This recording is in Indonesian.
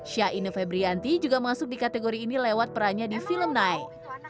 syah ine febrianti juga masuk di kategori ini lewat perannya di film night